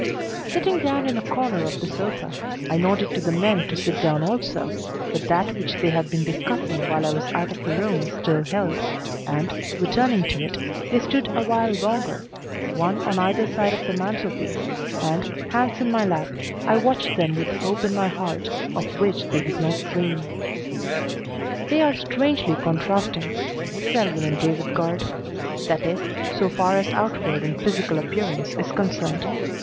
Sitting down in a corner of the sofa, I nodded to the men to sit down also, but that which they had been discussing while I was out of the room still held, and, returning to it, they stood awhile longer, one on either side of the mantelpiece, and, hands in my lap, I watched them with hope in my heart of which they did not dream. They are strangely contrasting Selwyn and David Guard. That is, so far as outward and physical appearance is concerned.